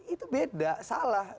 itu beda salah